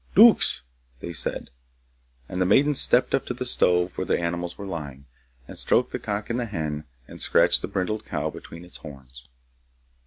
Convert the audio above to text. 'Duks,' they said. Then the maiden stepped up to the stove where the animals were lying, and stroked the cock and the hen, and scratched the brindled cow between its horns.